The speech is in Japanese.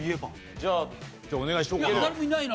じゃあお願いしようかな。